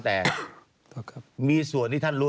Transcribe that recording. แต่มีส่วนที่ท่านรู้